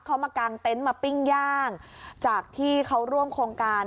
เขามากางเต็นต์มาปิ้งย่างจากที่เขาร่วมโครงการ